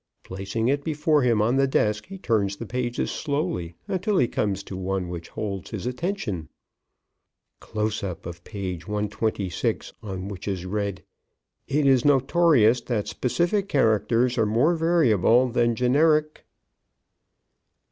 Placing it before him on the desk he turns the pages slowly until he comes to one which holds his attention. Close up of page 126, on which is read: "It is notorious that specific characters are more variable than generic....